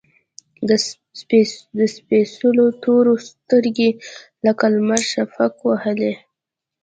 د سپیڅلو تورو، سترګې لکه لمر شفق وهلي